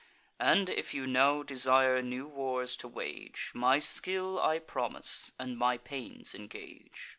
And, if you now desire new wars to wage, My skill I promise, and my pains engage.